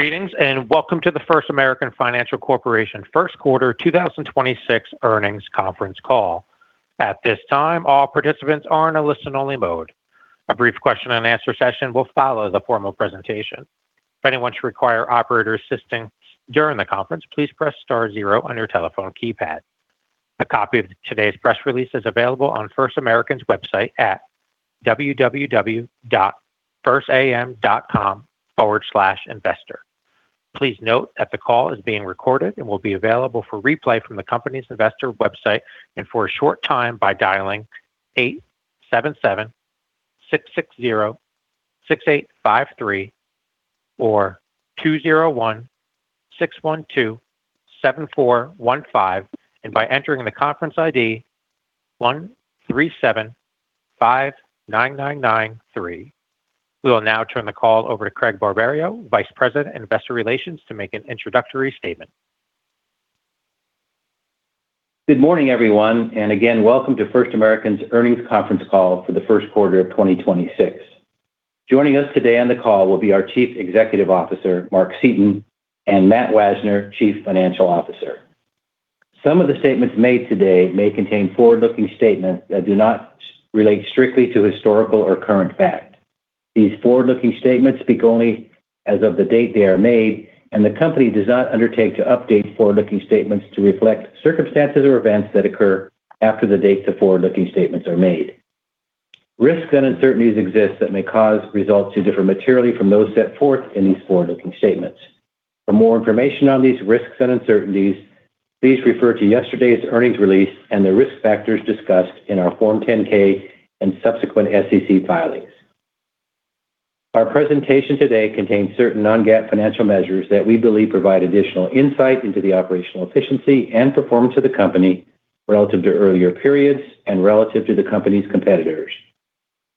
Greetings, and welcome to the First American Financial Corporation Q1 2026 earnings conference call. At this time, all participants are in a listen-only mode. A brief question and answer session will follow the formal presentation. If anyone should require operator assistance during the conference, please press star zero on your telephone keypad. A copy of today's press release is available on First American's website at www.firstam.com/investor. Please note that the call is being recorded and will be available for replay from the company's investor website and for a short time by dialing 877-660-6853 or 201-612-7415 and by entering the conference ID 13759993. We will now turn the call over to Craig Barberio, Vice President, Investor Relations, to make an introductory statement. Good morning, everyone, and again, welcome to First American's earnings conference call for the Q1 of 2026. Joining us today on the call will be our Chief Executive Officer, Mark Seaton, and Matthew Wajner, Chief Financial Officer. Some of the statements made today may contain forward-looking statements that do not relate strictly to historical or current fact. These forward-looking statements speak only as of the date they are made, and the company does not undertake to update forward-looking statements to reflect circumstances or events that occur after the date the forward-looking statements are made. Risks and uncertainties exist that may cause results to differ materially from those set forth in these forward-looking statements. For more information on these risks and uncertainties, please refer to yesterday's earnings release and the risk factors discussed in our Form 10-K and subsequent SEC filings. Our presentation today contains certain non-GAAP financial measures that we believe provide additional insight into the operational efficiency and performance of the company relative to earlier periods and relative to the company's competitors.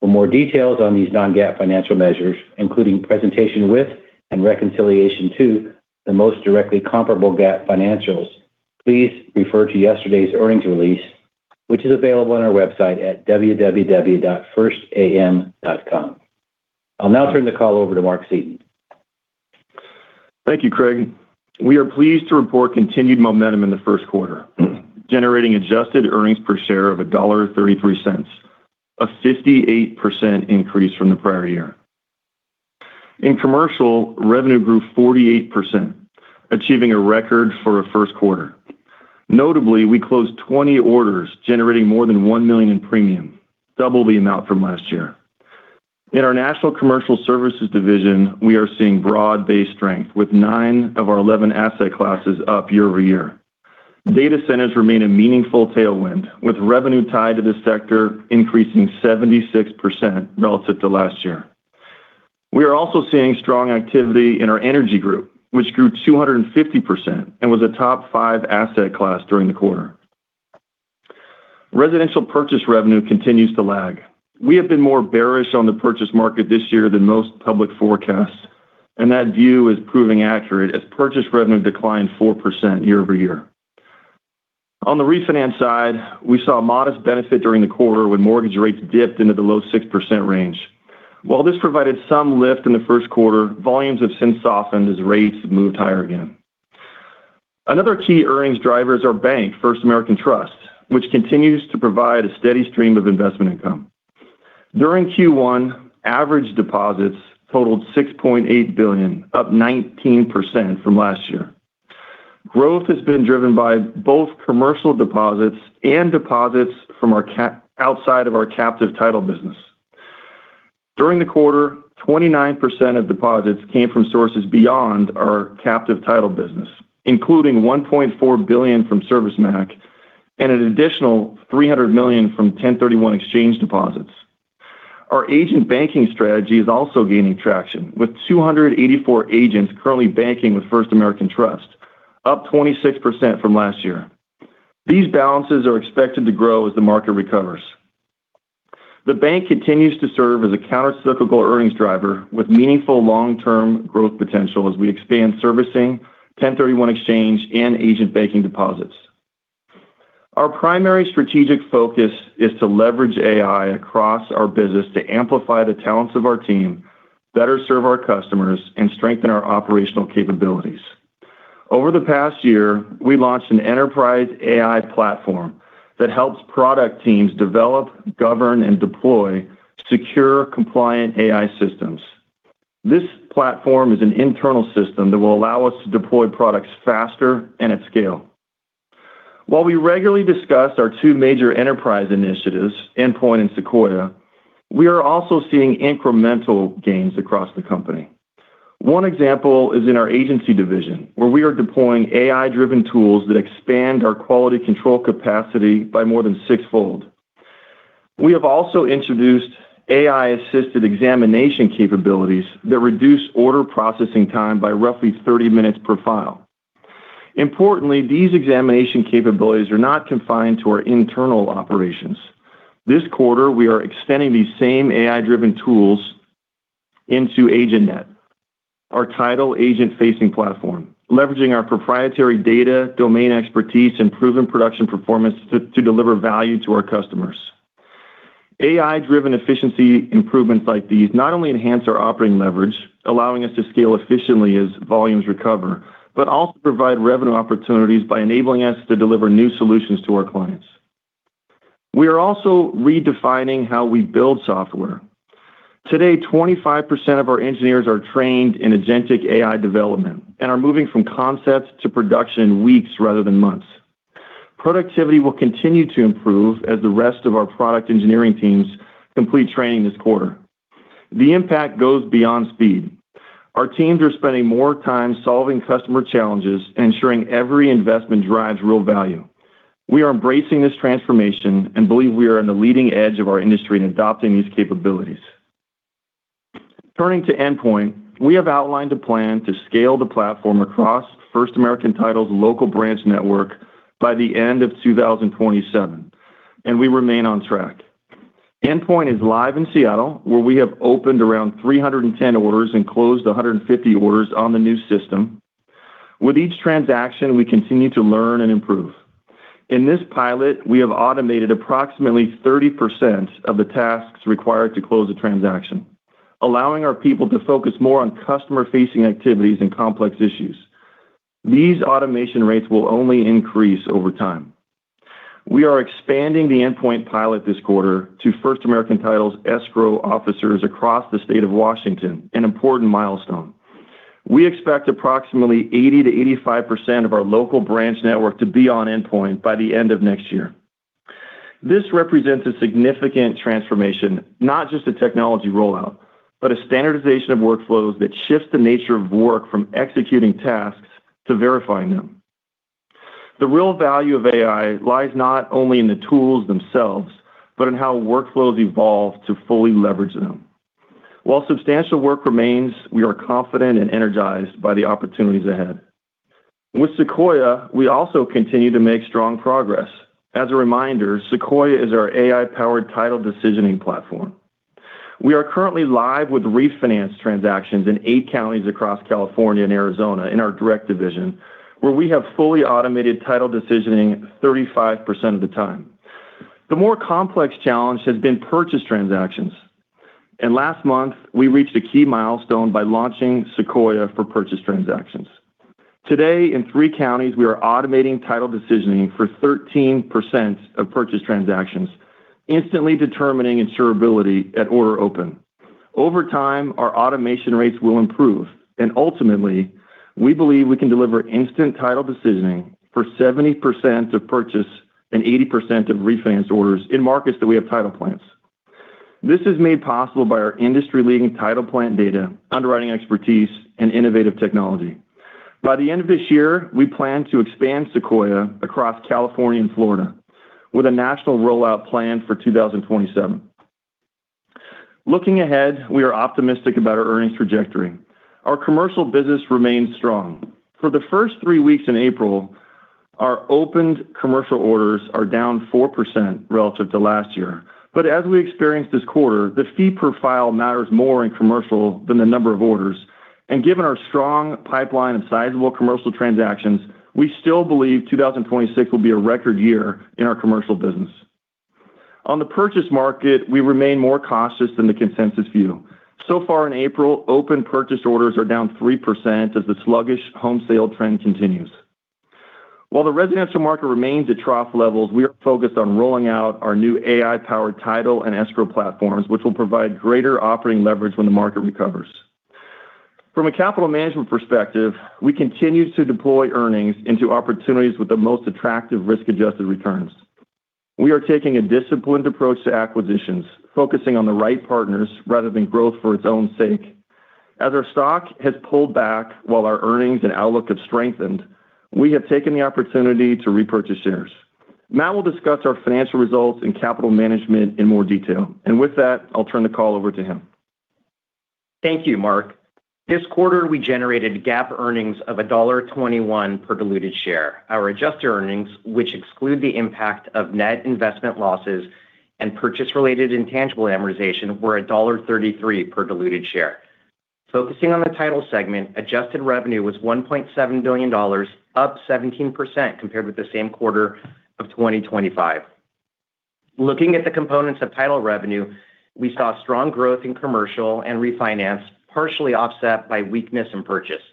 For more details on these non-GAAP financial measures, including presentation with and reconciliation to the most directly comparable GAAP financials, please refer to yesterday's earnings release, which is available on our website at www.firstam.com. I'll now turn the call over to Mark Seaton. Thank you, Craig. We are pleased to report continued momentum in the Q1, generating adjusted earnings per share of $1.33, a 58% increase from the prior year. In commercial, revenue grew 48%, achieving a record for a Q1. Notably, we closed 20 orders, generating more than $1 million in premium, double the amount from last year. In our National Commercial Services division, we are seeing broad-based strength with nine of our 11 asset classes up year-over-year. Data centers remain a meaningful tailwind, with revenue tied to this sector increasing 76% relative to last year. We are also seeing strong activity in our energy group, which grew 250% and was a top five asset class during the quarter. Residential purchase revenue continues to lag. We have been more bearish on the purchase market this year than most public forecasts, and that view is proving accurate as purchase revenue declined 4% year-over-year. On the refinance side, we saw a modest benefit during the quarter when mortgage rates dipped into the low 6% range. While this provided some lift in the Q1, volumes have since softened as rates have moved higher again. Another key earnings driver is our bank, First American Trust, which continues to provide a steady stream of investment income. During Q1, average deposits totaled $6.8 billion, up 19% from last year. Growth has been driven by both commercial deposits and deposits from outside of our captive title business. During the quarter, 29% of deposits came from sources beyond our captive title business, including $1.4 billion from ServiceMac and an additional $300 million from 1031 exchange deposits. Our agent banking strategy is also gaining traction, with 284 agents currently banking with First American Trust, up 26% from last year. These balances are expected to grow as the market recovers. The bank continues to serve as a countercyclical earnings driver with meaningful long-term growth potential as we expand servicing, 1031 exchange, and agent banking deposits. Our primary strategic focus is to leverage AI across our business to amplify the talents of our team, better serve our customers, and strengthen our operational capabilities. Over the past year, we launched an enterprise AI platform that helps product teams develop, govern, and deploy secure, compliant AI systems. This platform is an internal system that will allow us to deploy products faster and at scale. While we regularly discuss our two major enterprise initiatives, Endpoint and Sequoia, we are also seeing incremental gains across the company. One example is in our agency division, where we are deploying AI-driven tools that expand our quality control capacity by more than sixfold. We have also introduced AI-assisted examination capabilities that reduce order processing time by roughly 30 minutes per file. Importantly, these examination capabilities are not confined to our internal operations. This quarter, we are extending these same AI-driven tools into AgentNet, our title agent-facing platform, leveraging our proprietary data, domain expertise, and proven production performance to deliver value to our customers. AI-driven efficiency improvements like these not only enhance our operating leverage, allowing us to scale efficiently as volumes recover, but also provide revenue opportunities by enabling us to deliver new solutions to our clients. We are also redefining how we build software. Today, 25% of our engineers are trained in agentic AI development and are moving from concept to production in weeks rather than months. Productivity will continue to improve as the rest of our product engineering teams complete training this quarter. The impact goes beyond speed. Our teams are spending more time solving customer challenges, ensuring every investment drives real value. We are embracing this transformation and believe we are on the leading edge of our industry in adopting these capabilities. Turning to Endpoint, we have outlined a plan to scale the platform across First American Title's local branch network by the end of 2027, and we remain on track. Endpoint is live in Seattle, where we have opened around 310 orders and closed 150 orders on the new system. With each transaction, we continue to learn and improve. In this pilot, we have automated approximately 30% of the tasks required to close a transaction, allowing our people to focus more on customer-facing activities and complex issues. These automation rates will only increase over time. We are expanding the Endpoint pilot this quarter to First American Title's escrow officers across the state of Washington, an important milestone. We expect approximately 80%-85% of our local branch network to be on Endpoint by the end of next year. This represents a significant transformation. Not just a technology rollout, but a standardization of workflows that shifts the nature of work from executing tasks to verifying them. The real value of AI lies not only in the tools themselves, but in how workflows evolve to fully leverage them. While substantial work remains, we are confident and energized by the opportunities ahead. With Sequoia, we also continue to make strong progress. As a reminder, Sequoia is our AI-powered title decisioning platform. We are currently live with refinance transactions in eight counties across California and Arizona in our direct division, where we have fully automated title decisioning 35% of the time. The more complex challenge has been purchase transactions. Last month, we reached a key milestone by launching Sequoia for purchase transactions. Today, in three counties, we are automating title decisioning for 13% of purchase transactions, instantly determining insurability at order open. Over time, our automation rates will improve, and ultimately, we believe we can deliver instant title decisioning for 70% of purchase and 80% of refinance orders in markets that we have title plants. This is made possible by our industry-leading title plant data, underwriting expertise, and innovative technology. By the end of this year, we plan to expand Sequoia across California and Florida with a national rollout plan for 2027. Looking ahead, we are optimistic about our earnings trajectory. Our commercial business remains strong. For the first three weeks in April, our opened commercial orders are down 4% relative to last year. As we experienced this quarter, the fee per file matters more in commercial than the number of orders, and given our strong pipeline of sizable commercial transactions, we still believe 2026 will be a record year in our commercial business. On the purchase market, we remain more cautious than the consensus view. So far in April, open purchase orders are down 3% as the sluggish home sale trend continues. While the residential market remains at trough levels, we are focused on rolling out our new AI-powered title and escrow platforms, which will provide greater operating leverage when the market recovers. From a capital management perspective, we continue to deploy earnings into opportunities with the most attractive risk-adjusted returns. We are taking a disciplined approach to acquisitions, focusing on the right partners rather than growth for its own sake. As our stock has pulled back while our earnings and outlook have strengthened, we have taken the opportunity to repurchase shares. Matt will discuss our financial results and capital management in more detail. With that, I'll turn the call over to him. Thank you, Mark. This quarter, we generated GAAP earnings of $1.21 per diluted share. Our adjusted earnings, which exclude the impact of net investment losses and purchase-related intangible amortization, were $1.33 per diluted share. Focusing on the title segment, adjusted revenue was $1.7 billion, up 17% compared with the same quarter of 2025. Looking at the components of title revenue, we saw strong growth in commercial and refinance, partially offset by weakness in purchase.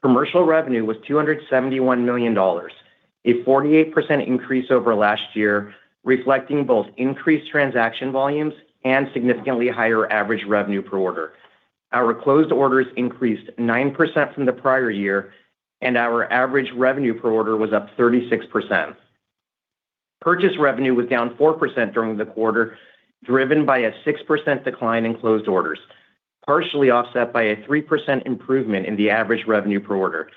Commercial revenue was $271 million, a 48% increase over last year, reflecting both increased transaction volumes and significantly higher average revenue per order. Our closed orders increased 9% from the prior year, and our average revenue per order was up 36%. Purchase revenue was down 4% during the quarter, driven by a 6% decline in closed orders, partially offset by a 3% improvement in the average revenue per order.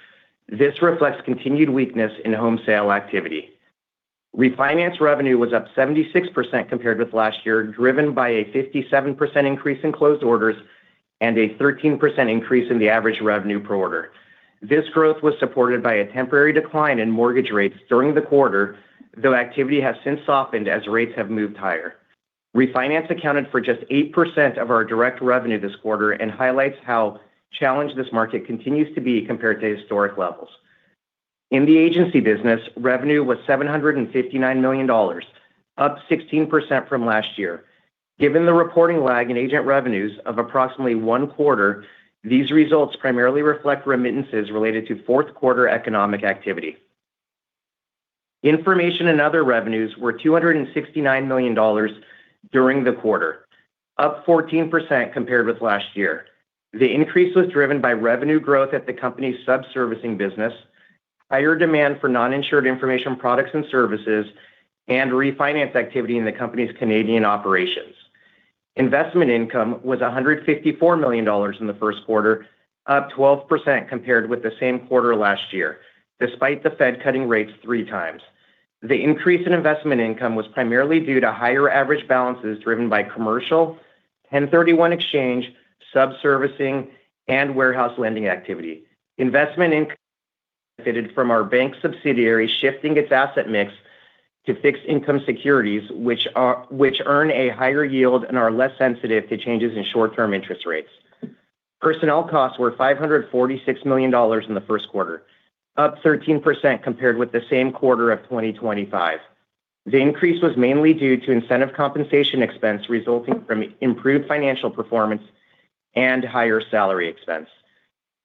This reflects continued weakness in home sale activity. Refinance revenue was up 76% compared with last year, driven by a 57% increase in closed orders and a 13% increase in the average revenue per order. This growth was supported by a temporary decline in mortgage rates during the quarter, though activity has since softened as rates have moved higher. Refinance accounted for just 8% of our direct revenue this quarter and highlights how challenged this market continues to be compared to historic levels. In the agency business, revenue was $759 million, up 16% from last year. Given the reporting lag in agent revenues of approximately one quarter, these results primarily reflect remittances related to Q4 economic activity. Information and other revenues were $269 million during the quarter, up 14% compared with last year. The increase was driven by revenue growth at the company's subservicing business, higher demand for non-insured information products and services, and refinance activity in the company's Canadian operations. Investment income was $154 million in the Q1, up 12% compared with the same quarter last year, despite the Fed cutting rates three times. The increase in investment income was primarily due to higher average balances driven by commercial, 1031 exchange, subservicing, and warehouse lending activity. Investment income benefited from our bank subsidiary shifting its asset mix to fixed income securities, which earn a higher yield and are less sensitive to changes in short-term interest rates. Personnel costs were $546 million in the Q1, up 13% compared with the same quarter of 2025. The increase was mainly due to incentive compensation expense resulting from improved financial performance and higher salary expense.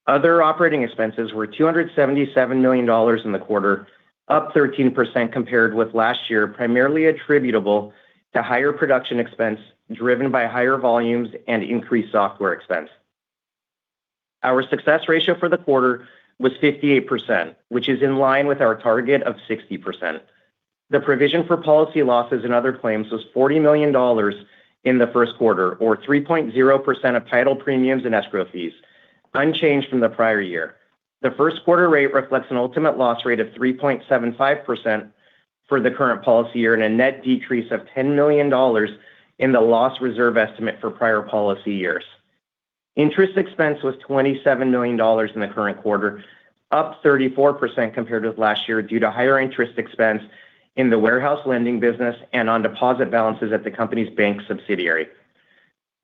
Other operating expenses were $277 million in the quarter, up 13% compared with last year, primarily attributable to higher production expense driven by higher volumes and increased software expense. Our success ratio for the quarter was 58%, which is in line with our target of 60%. The provision for policy losses and other claims was $40 million in the Q1, or 3.0% of title premiums and escrow fees, unchanged from the prior year. The Q1 rate reflects an ultimate loss rate of 3.75% for the current policy year and a net decrease of $10 million in the loss reserve estimate for prior policy years. Interest expense was $27 million in the current quarter, up 34% compared with last year, due to higher interest expense in the warehouse lending business and on deposit balances at the company's bank subsidiary.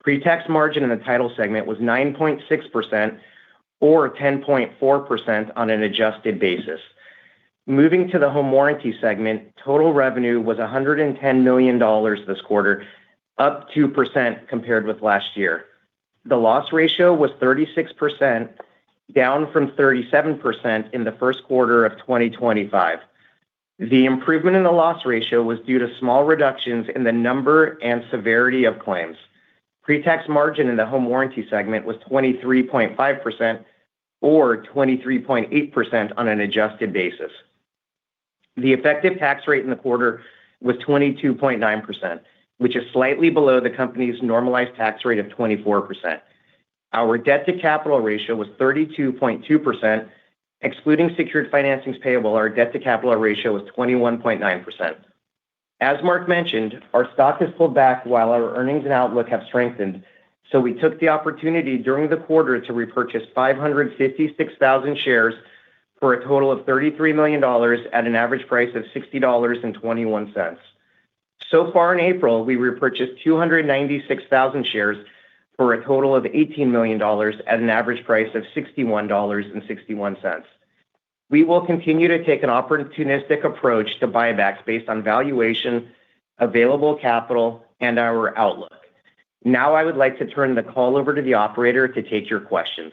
Pre-tax margin in the title segment was 9.6% or 10.4% on an adjusted basis. Moving to the home warranty segment, total revenue was $110 million this quarter, up 2% compared with last year. The loss ratio was 36%, down from 37% in the Q1 of 2025. The improvement in the loss ratio was due to small reductions in the number and severity of claims. Pre-tax margin in the home warranty segment was 23.5%, or 23.8% on an adjusted basis. The effective tax rate in the quarter was 22.9%, which is slightly below the company's normalized tax rate of 24%. Our debt-to-capital ratio was 32.2%, excluding secured financings, our debt-to-capital ratio was 21.9%. As Mark mentioned, our stock has pulled back while our earnings and outlook have strengthened, so we took the opportunity during the quarter to repurchase 556,000 shares for a total of $33 million at an average price of $60.21. So far in April, we repurchased 296,000 shares for a total of $18 million at an average price of $61.61. We will continue to take an opportunistic approach to buybacks based on valuation, available capital, and our outlook. Now I would like to turn the call over to the operator to take your questions.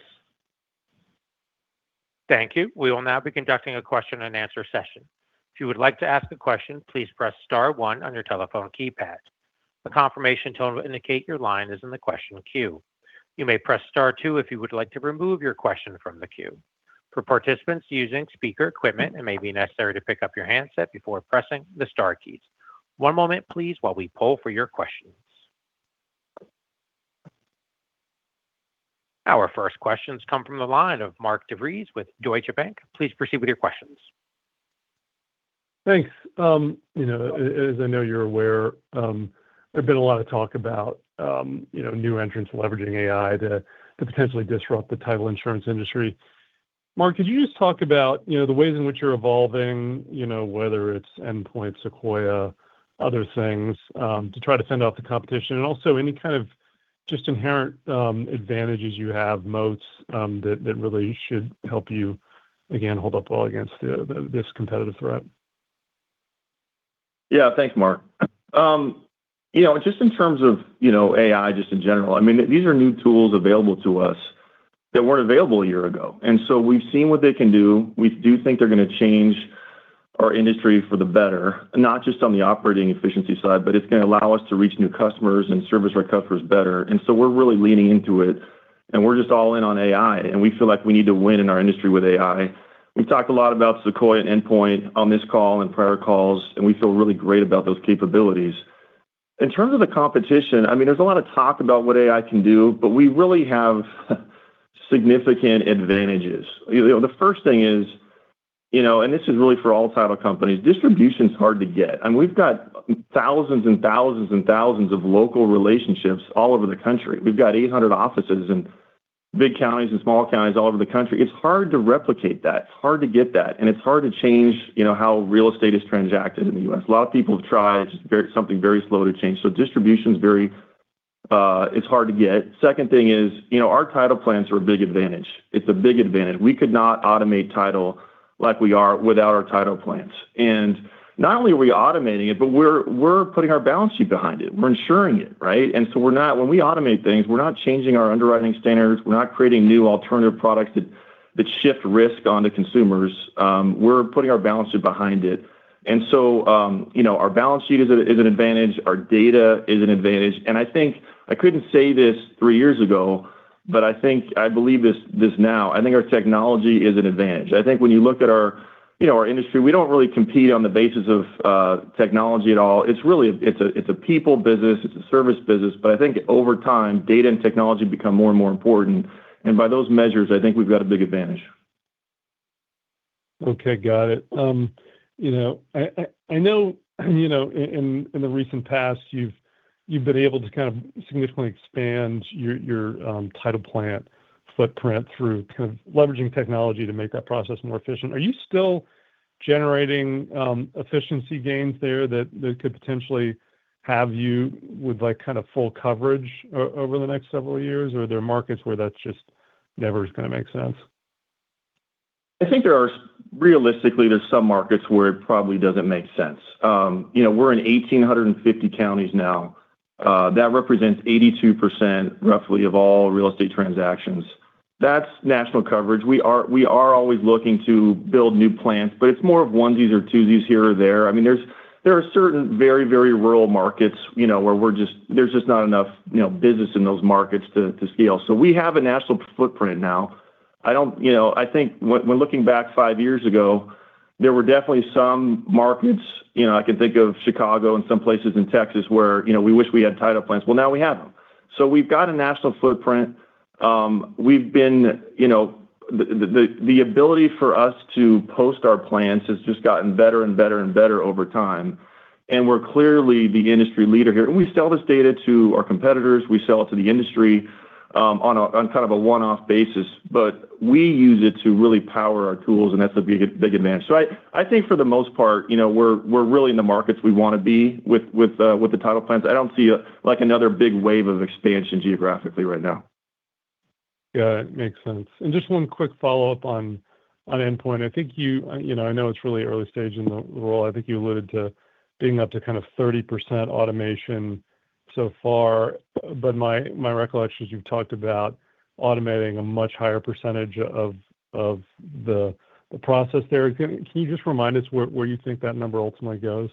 Thank you. We will now be conducting a question and answer session. If you would like to ask a question, please press star one on your telephone keypad. A confirmation tone will indicate your line is in the question queue. You may press star two if you would like to remove your question from the queue. For participants using speaker equipment, it may be necessary to pick up your handset before pressing the star keys. One moment please while we poll for your questions. Our first questions come from the line of Mark DeVries with Deutsche Bank. Please proceed with your questions. Thanks. As I know you're aware, there's been a lot of talk about new entrants leveraging AI to potentially disrupt the title insurance industry. Mark, could you just talk about the ways in which you're evolving, whether it's Endpoint, Sequoia, other things, to try to fend off the competition? Also any kind of just inherent advantages you have, moats that really should help you, again, hold up well against this competitive threat. Yeah. Thanks, Mark. Just in terms of AI just in general, these are new tools available to us that weren't available a year ago. We've seen what they can do. We do think they're going to change our industry for the better, not just on the operating efficiency side, but it's going to allow us to reach new customers and service our customers better. We're really leaning into it, and we're just all in on AI, and we feel like we need to win in our industry with AI. We've talked a lot about Sequoia and Endpoint on this call and prior calls, and we feel really great about those capabilities. In terms of the competition, there's a lot of talk about what AI can do, but we really have significant advantages. The first thing is, and this is really for all title companies, distribution is hard to get, and we've got thousands and thousands and thousands of local relationships all over the country. We've got 800 offices in big counties and small counties all over the country. It's hard to replicate that. It's hard to get that, and it's hard to change how real estate is transacted in the U.S. A lot of people have tried. It's something very slow to change. So distribution is very It's hard to get. Second thing is, our title plans are a big advantage. It's a big advantage. We could not automate title like we are without our title plans. Not only are we automating it, but we're putting our balance sheet behind it. We're insuring it. Right? When we automate things, we're not changing our underwriting standards, we're not creating new alternative products that shift risk onto consumers. We're putting our balance sheet behind it. Our balance sheet is an advantage. Our data is an advantage. I think I couldn't say this three years ago, but I think I believe this now, I think our technology is an advantage. I think when you look at our industry, we don't really compete on the basis of technology at all. It's a people business, it's a service business. I think over time, data and technology become more and more important. By those measures, I think we've got a big advantage. Okay. Got it. I know in the recent past, you've been able to kind of significantly expand your title plant footprint through kind of leveraging technology to make that process more efficient. Are you still generating efficiency gains there that could potentially have you with kind of full coverage over the next several years? Or are there markets where that's just never going to make sense? I think realistically, there's some markets where it probably doesn't make sense. We're in 1,850 counties now. That represents 82%, roughly, of all real estate transactions. That's national coverage. We are always looking to build new plans, but it's more of onesies or twosies here or there. There are certain very rural markets, where there's just not enough business in those markets to scale. So we have a national footprint now. I think when looking back five years ago, there were definitely some markets, I can think of Chicago and some places in Texas, where we wish we had title plans. Well, now we have them. So we've got a national footprint. The ability for us to post our plans has just gotten better and better over time. We're clearly the industry leader here. We sell this data to our competitors, we sell it to the industry on kind of a one-off basis, but we use it to really power our tools, and that's a big advantage. I think for the most part, we're really in the markets we want to be with the title plans. I don't see another big wave of expansion geographically right now. Yeah, it makes sense. Just one quick follow-up on Endpoint. I know it's really early stage in the rollout. I think you alluded to being up to kind of 30% automation so far. My recollection is you've talked about automating a much higher percentage of the process there. Can you just remind us where you think that number ultimately goes?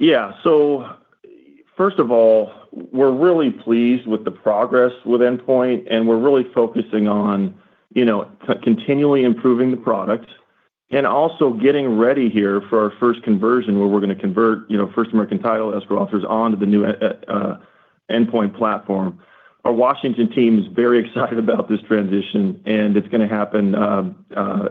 Yeah. First of all, we're really pleased with the progress with Endpoint, and we're really focusing on continually improving the product and also getting ready here for our first conversion, where we're going to convert First American Title escrow officers onto the new Endpoint platform. Our Washington team is very excited about this transition, and it's going to happen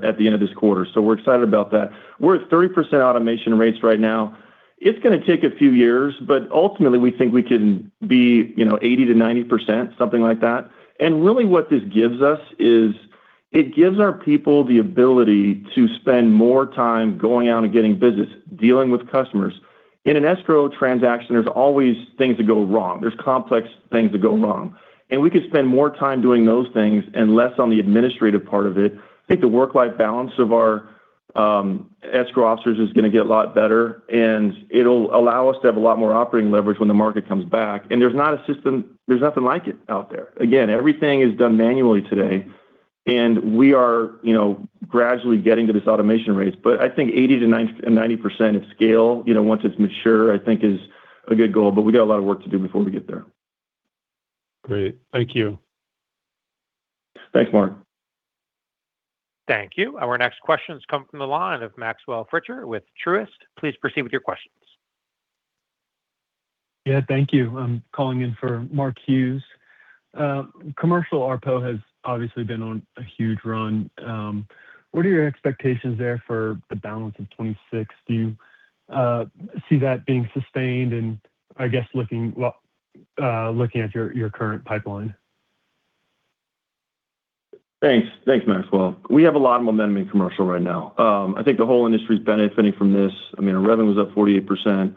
at the end of this quarter. We're excited about that. We're at 30% automation rates right now. It's going to take a few years, but ultimately we think we can be 80%-90%, something like that. Really what this gives us is it gives our people the ability to spend more time going out and getting business, dealing with customers. In an escrow transaction, there's always things that go wrong. There's complex things that go wrong. We could spend more time doing those things and less on the administrative part of it. I think the work-life balance of our escrow officers is going to get a lot better, and it'll allow us to have a lot more operating leverage when the market comes back. There's nothing like it out there. Again, everything is done manually today, and we are gradually getting to this automation rate. I think 80%-90% at scale, once it's mature, I think is a good goal, but we got a lot of work to do before we get there. Great. Thank you. Thanks, Mark. Thank you. Our next questions come from the line of Maxwell Fritscher with Truist. Please proceed with your questions. Yeah, thank you. I'm calling in for Mark Hughes. Commercial ARPO has obviously been on a huge run. What are your expectations there for the balance of 2026? Do you see that being sustained and I guess looking at your current pipeline? Thanks, Maxwell. We have a lot of momentum in commercial right now. I think the whole industry's benefiting from this. Revenue was up 48%.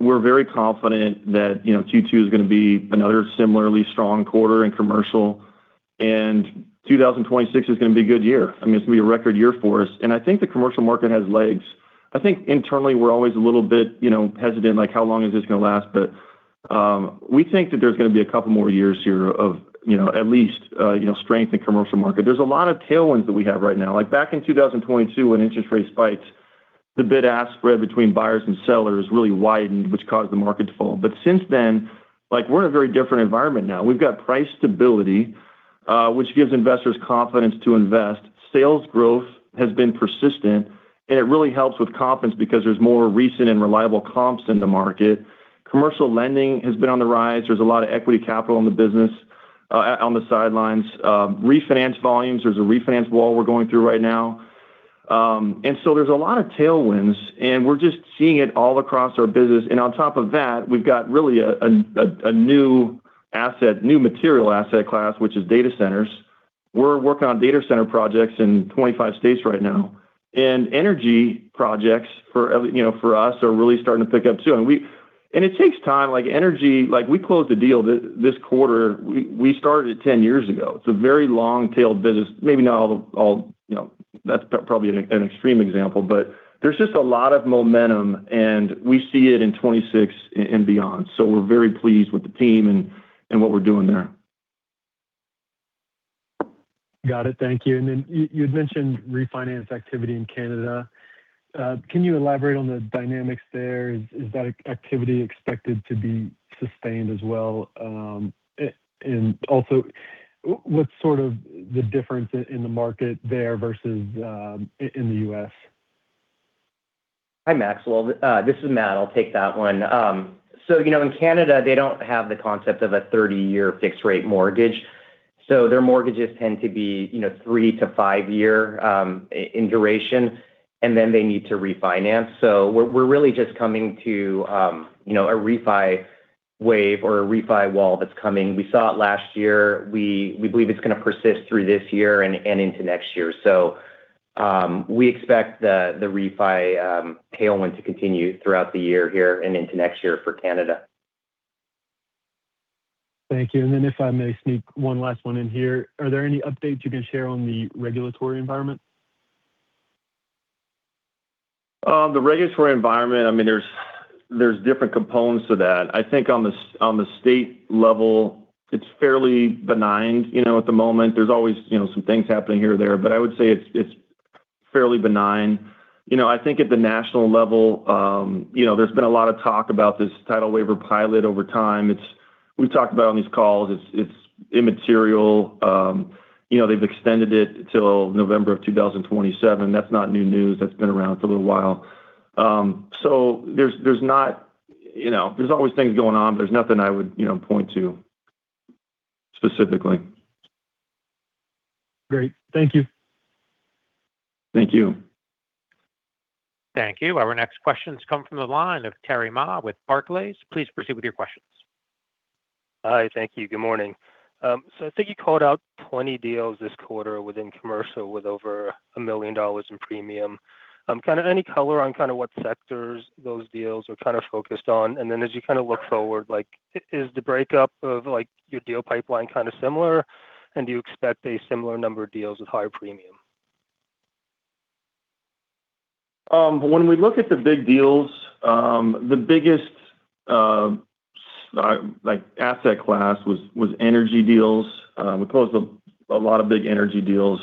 We're very confident that Q2 is going to be another similarly strong quarter in commercial, and 2026 is going to be a good year. It's going to be a record year for us. I think the commercial market has legs. I think internally, we're always a little bit hesitant, like how long is this going to last? We think that there's going to be a couple more years here of at least strength in commercial market. There's a lot of tailwinds that we have right now. Like back in 2022 when interest rates spiked, the bid-ask spread between buyers and sellers really widened, which caused the market to fall. Since then, we're in a very different environment now. We've got price stability, which gives investors confidence to invest. Sales growth has been persistent, and it really helps with confidence because there's more recent and reliable comps in the market. Commercial lending has been on the rise. There's a lot of equity capital in the business on the sidelines. Refinance volumes, there's a refinance wall we're going through right now. There's a lot of tailwinds, and we're just seeing it all across our business. We've got really a new material asset class, which is data centers. We're working on data center projects in 25 states right now and energy projects for us are really starting to pick up too. It takes time, like energy. We closed a deal this quarter. We started it 10 years ago. It's a very long-tailed business. Maybe not all, that's probably an extreme example, but there's just a lot of momentum, and we see it in 2026 and beyond. We're very pleased with the team and what we're doing there. Got it. Thank you. You had mentioned refinance activity in Canada. Can you elaborate on the dynamics there? Is that activity expected to be sustained as well? Also, what's sort of the difference in the market there versus in the U.S.? Hi, Maxwell. This is Matt. I'll take that one. In Canada, they don't have the concept of a 30-year fixed rate mortgage, so their mortgages tend to be three-five-year in duration, and then they need to refinance. We're really just coming to a refi wave or a refi wall that's coming. We saw it last year. We believe it's going to persist through this year and into next year. We expect the refi tailwind to continue throughout the year here and into next year for Canada. Thank you. If I may sneak one last one in here, are there any updates you can share on the regulatory environment? The regulatory environment, there's different components to that. I think on the state level, it's fairly benign at the moment. There's always some things happening here or there, but I would say it's fairly benign. I think at the national level, there's been a lot of talk about this title waiver pilot over time. We've talked about on these calls, it's immaterial. They've extended it till November of 2027. That's not new news. That's been around for a little while. There's always things going on, but there's nothing I would point to specifically. Great. Thank you. Thank you. Thank you. Our next question comes from the line of Terry Ma with Barclays. Please proceed with your questions. Hi. Thank you. Good morning. I think you called out 20 deals this quarter within commercial with over $1 million in premium. Kind of any color on what sectors those deals are kind of focused on? As you kind of look forward, is the breakdown of your deal pipeline kind of similar, and do you expect a similar number of deals with higher premium? When we look at the big deals, the biggest asset class was energy deals. We closed a lot of big energy deals.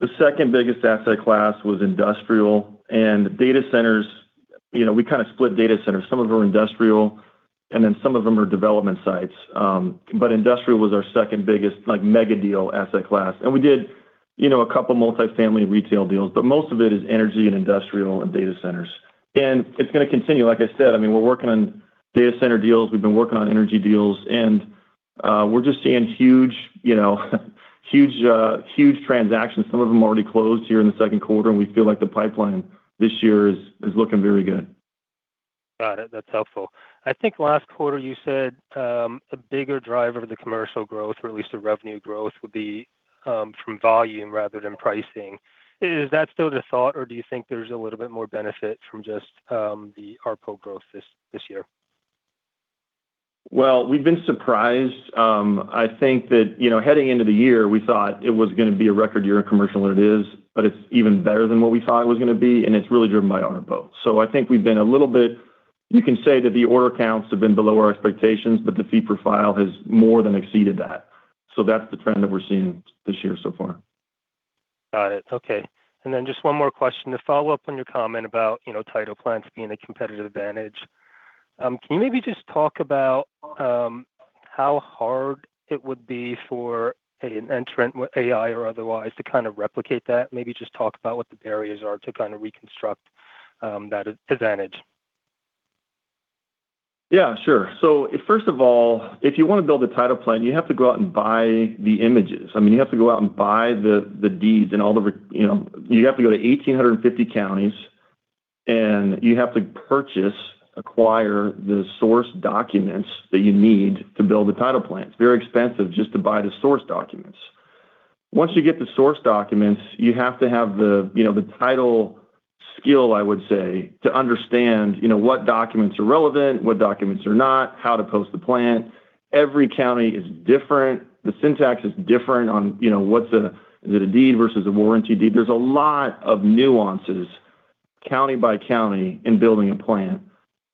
The second biggest asset class was industrial and data centers, we kind of split data centers. Some of them are industrial and then some of them are development sites. Industrial was our second biggest mega deal asset class. We did a couple multifamily retail deals, but most of it is energy and industrial and data centers, and it's going to continue. Like I said, we're working on data center deals. We've been working on energy deals, and we're just seeing huge transactions. Some of them already closed here in the Q2, and we feel like the pipeline this year is looking very good. Got it. That's helpful. I think last quarter you said, a bigger driver of the commercial growth, or at least the revenue growth, would be from volume rather than pricing. Is that still the thought, or do you think there's a little bit more benefit from just the ARPO growth this year? Well, we've been surprised. I think that heading into the year, we thought it was going to be a record year in commercial, and it is, but it's even better than what we thought it was going to be, and it's really driven by ARPO. I think we've been a little bit. You can say that the order counts have been below our expectations, but the fee per file has more than exceeded that. That's the trend that we're seeing this year so far. Got it. Okay. Just one more question to follow up on your comment about title plans being a competitive advantage. Can you maybe just talk about how hard it would be for an entrant with AI or otherwise to kind of replicate that? Maybe just talk about what the barriers are to kind of reconstruct that advantage. Yeah, sure. First of all, if you want to build a title plan, you have to go out and buy the images. You have to go out and buy the deeds. You have to go to 1,850 counties, and you have to purchase, acquire the source documents that you need to build a title plan. It's very expensive just to buy the source documents. Once you get the source documents, you have to have the title skill, I would say, to understand what documents are relevant, what documents are not, how to post the plan. Every county is different. The syntax is different on is it a deed versus a warranty deed. There's a lot of nuances county by county in building a plan.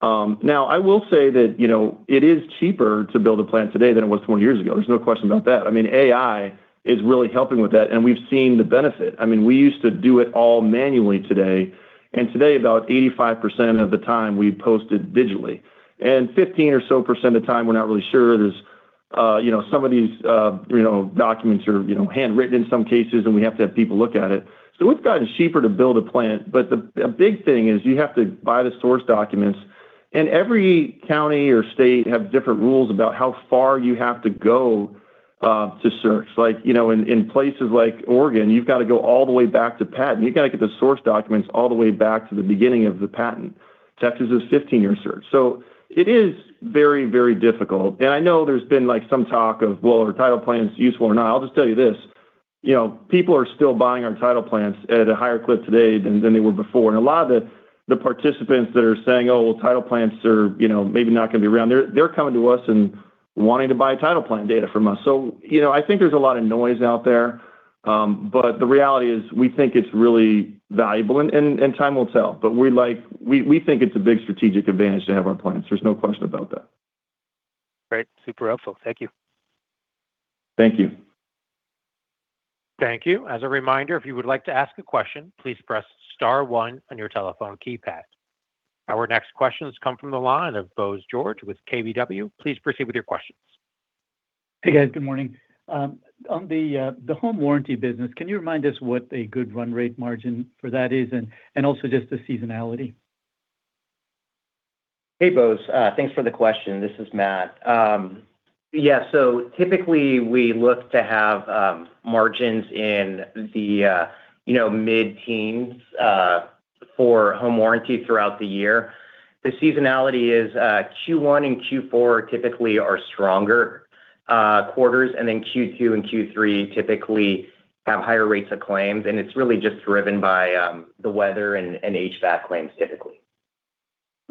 Now, I will say that it is cheaper to build a plan today than it was 20 years ago. There's no question about that. AI is really helping with that, and we've seen the benefit. We used to do it all manually. Today, about 85% of the time, we post it digitally, and 15% or so of the time, we're not really sure. Some of these documents are handwritten in some cases, and we have to have people look at it. It's gotten cheaper to build a plant. A big thing is you have to buy the source documents, and every county or state have different rules about how far you have to go to search. In places like Oregon, you've got to go all the way back to patent. You got to get the source documents all the way back to the beginning of the patent. Texas is 15-year search. It is very difficult, and I know there's been some talk of, well, are title plans useful or not? I'll just tell you this, people are still buying our title plans at a higher clip today than they were before. A lot of the participants that are saying, "Oh, well, title plans are maybe not going to be around," they're coming to us and wanting to buy title plan data from us. I think there's a lot of noise out there. The reality is, we think it's really valuable and in time will tell. We think it's a big strategic advantage to have our plans. There's no question about that. Great. Super helpful. Thank you. Thank you. Thank you. As a reminder, if you would like to ask a question, please press star one on your telephone keypad. Our next questions come from the line of Bose George with KBW. Please proceed with your questions. Hey, guys. Good morning. On the home warranty business, can you remind us what a good run rate margin for that is and also just the seasonality? Hey, Bose. Thanks for the question. This is Matt. Yeah. So typically, we look to have margins in the mid-teens for home warranty throughout the year. The seasonality is Q1 and Q4 typically are stronger quarters, and then Q2 and Q3 typically have higher rates of claims. It's really just driven by the weather and HVAC claims typically.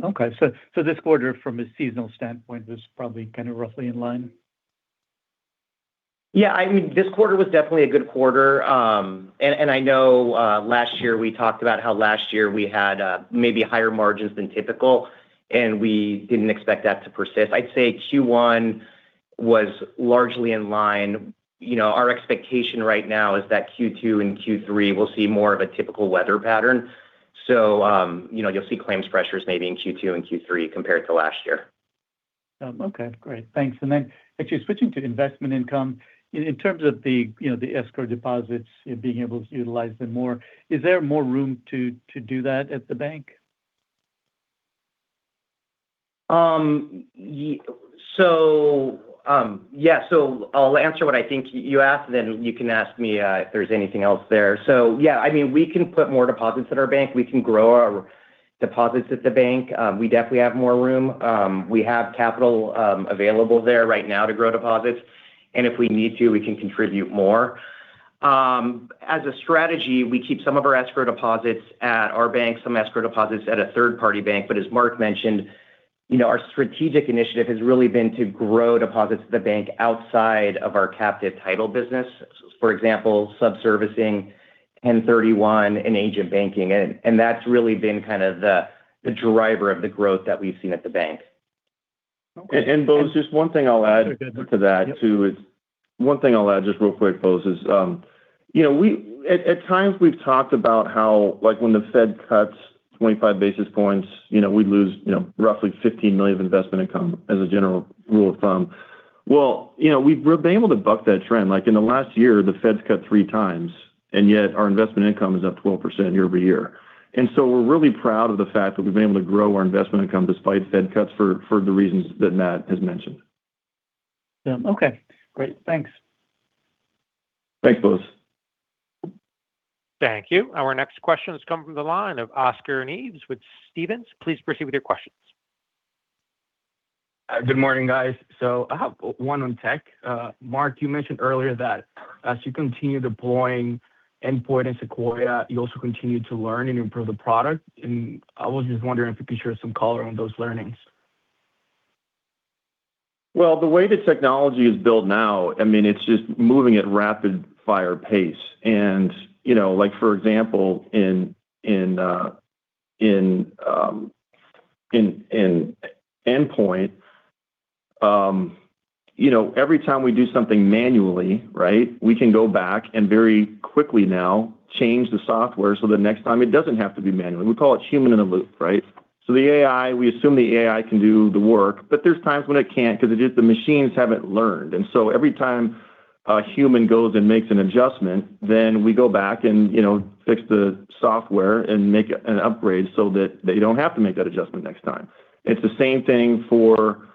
Okay. This quarter from a seasonal standpoint was probably kind of roughly in line? Yeah. This quarter was definitely a good quarter. I know last year we talked about how last year we had maybe higher margins than typical, and we didn't expect that to persist. I'd say Q1 was largely in line. Our expectation right now is that Q2 and Q3 will see more of a typical weather pattern. You'll see claims pressures maybe in Q2 and Q3 compared to last year. Okay, great. Thanks. Actually switching to investment income. In terms of the escrow deposits and being able to utilize them more, is there more room to do that at the bank? Yeah. I'll answer what I think you asked, then you can ask me if there's anything else there. Yeah, we can put more deposits at our bank. We can grow our deposits at the bank. We definitely have more room. We have capital available there right now to grow deposits, and if we need to, we can contribute more. As a strategy, we keep some of our escrow deposits at our bank, some escrow deposits at a third-party bank. As Mark mentioned, our strategic initiative has really been to grow deposits at the bank outside of our captive title business. For example, subservicing 1031 and agent banking, and that's really been kind of the driver of the growth that we've seen at the bank. Bose, just one thing I'll add. Good. Yep. To that, too, is one thing I'll add just real quick, Bose. At times we've talked about how when the Fed cuts 25 basis points, we'd lose roughly $15 million of investment income as a general rule of thumb. Well, we've been able to buck that trend. In the last year, the Fed's cut three times, and yet our investment income is up 12% year-over-year. We're really proud of the fact that we've been able to grow our investment income despite Fed cuts for the reasons that Matt has mentioned. Yeah. Okay. Great. Thanks. Thanks, Bose. Thank you. Our next question is coming from the line of Oscar Nieves with Stephens. Please proceed with your questions. Good morning, guys. I have one on tech. Mark, you mentioned earlier that as you continue deploying Endpoint and Sequoia, you also continue to learn and improve the product, and I was just wondering if you could share some color on those learnings. Well, the way that technology is built now, it's just moving at rapid fire pace. Like for example, in Endpoint, every time we do something manually, we can go back and very quickly now change the software so the next time it doesn't have to be manually. We call it human in the loop. The AI, we assume the AI can do the work, but there's times when it can't because the machines haven't learned. Every time a human goes and makes an adjustment, then we go back and fix the software and make an upgrade so that you don't have to make that adjustment next time. It's the same thing for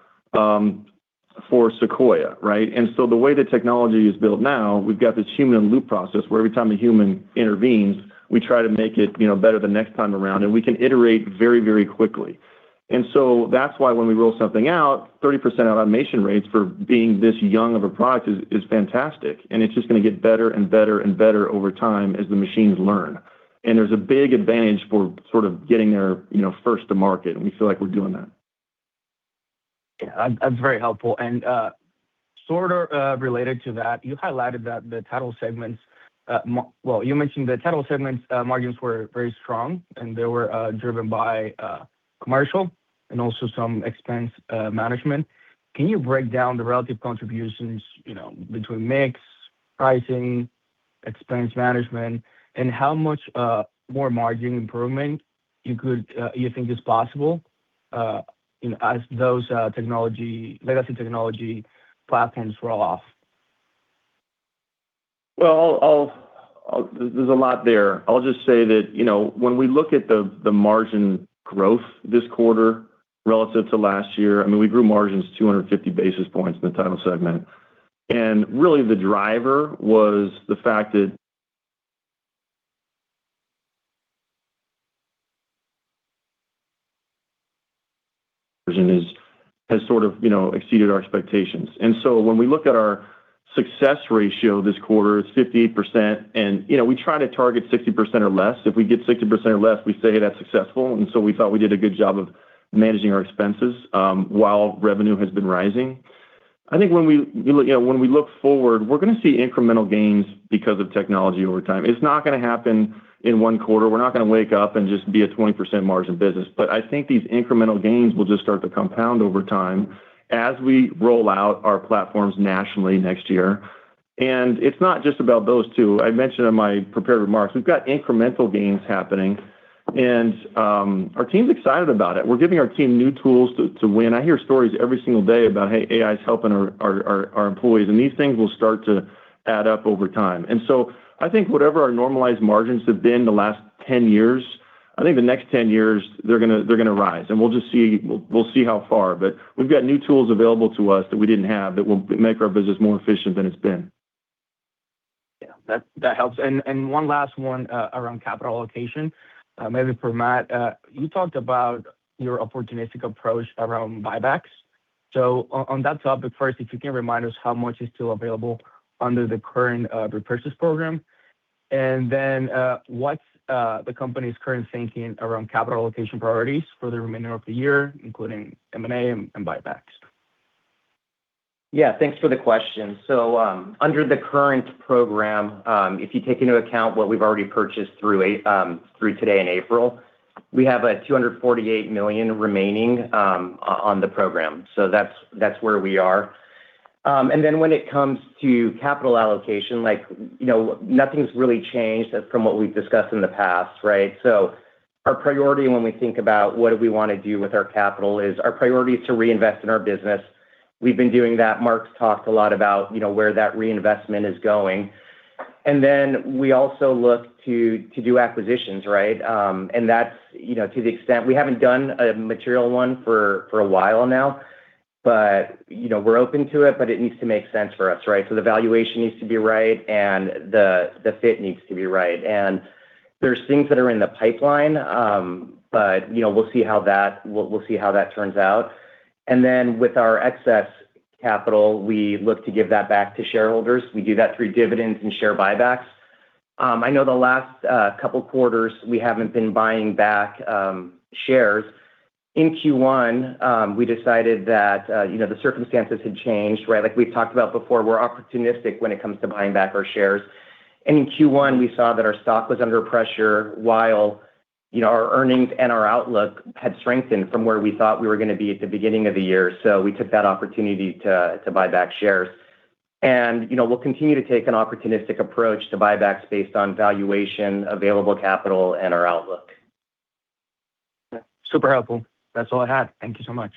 Sequoia, right? The way the technology is built now, we've got this human in loop process where every time a human intervenes, we try to make it better the next time around, and we can iterate very quickly. That's why when we roll something out, 30% automation rates for being this young of a product is fantastic. It's just going to get better and better over time as the machines learn. There's a big advantage for sort of getting there first to market, and we feel like we're doing that. Yeah. That's very helpful. Sort of related to that, Well, you mentioned the title segment margins were very strong, and they were driven by commercial and also some expense management. Can you break down the relative contributions between mix, pricing, expense management, and how much more margin improvement you think is possible as those legacy technology platforms roll off? Well, there's a lot there. I'll just say that when we look at the margin growth this quarter relative to last year, we grew margins 250 basis points in the title segment. Really the driver was the fact that has sort of exceeded our expectations. When we look at our success ratio this quarter is 58%, and we try to target 60% or less. If we get 60% or less, we say that's successful. We thought we did a good job of managing our expenses, while revenue has been rising. I think when we look forward, we're going to see incremental gains because of technology over time. It's not going to happen in one quarter. We're not going to wake up and just be a 20% margin business. I think these incremental gains will just start to compound over time as we roll out our platforms nationally next year. It's not just about those two. I mentioned in my prepared remarks, we've got incremental gains happening, and our team's excited about it. We're giving our team new tools to win. I hear stories every single day about, hey, AI's helping our employees, and these things will start to add up over time. I think whatever our normalized margins have been the last 10 years, I think the next 10 years, they're going to rise, and we'll see how far. We've got new tools available to us that we didn't have that will make our business more efficient than it's been. Yeah, that helps. One last one, around capital allocation, maybe for Matt. You talked about your opportunistic approach around buybacks. On that topic first, if you can remind us how much is still available under the current repurchase program, and then, what's the company's current thinking around capital allocation priorities for the remainder of the year, including M&A and buybacks? Yeah. Thanks for the question. Under the current program, if you take into account what we've already purchased through today in April, we have $248 million remaining on the program. That's where we are. When it comes to capital allocation, nothing's really changed from what we've discussed in the past, right? Our priority when we think about what do we want to do with our capital is to reinvest in our business. We've been doing that. Mark's talked a lot about where that reinvestment is going. We also look to do acquisitions, right? We haven't done a material one for a while now, but we're open to it, but it needs to make sense for us, right? The valuation needs to be right, and the fit needs to be right. There's things that are in the pipeline, but we'll see how that turns out. With our excess capital, we look to give that back to shareholders. We do that through dividends and share buybacks. I know the last couple quarters we haven't been buying back shares. In Q1, we decided that the circumstances had changed, right? Like we've talked about before, we're opportunistic when it comes to buying back our shares. In Q1, we saw that our stock was under pressure while our earnings and our outlook had strengthened from where we thought we were going to be at the beginning of the year. We took that opportunity to buy back shares. We'll continue to take an opportunistic approach to buybacks based on valuation, available capital, and our outlook. Okay. Super helpful. That's all I had. Thank you so much.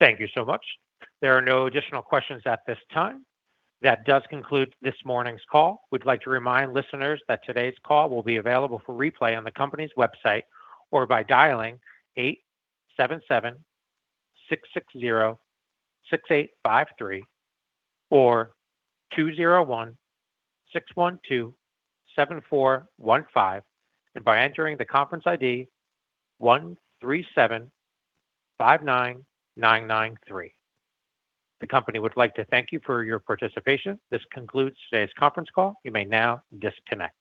Thank you so much. There are no additional questions at this time. That does conclude this morning's call. We'd like to remind listeners that today's call will be available for replay on the company's website or by dialing 877-660-6853 or 201-612-7415, and by entering the conference ID 13759993. The company would like to thank you for your participation. This concludes today's conference call. You may now disconnect.